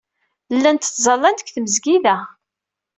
Llant ttẓallant deg tmesgida.